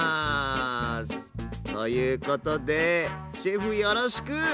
ということでシェフよろしく。